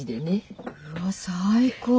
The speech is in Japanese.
うわ最高。